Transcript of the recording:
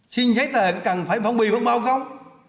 xin giấy tờ cũng cần phải phong bì phong bao không